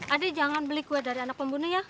ade jangan beli kue dari anak pembunuh ya